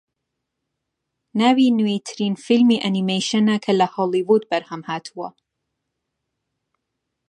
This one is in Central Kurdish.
ناوی نوێترین فیلمی ئەنیمەیشنە کە لە هۆلیوود بەرهەمهاتووە